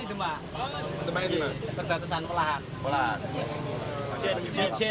di tempat yang asli di jemaah